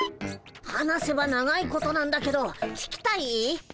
話せば長いことなんだけど聞きたい？